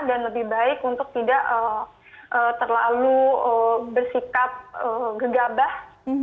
dan lebih baik untuk tidak terlalu bersikap gegabah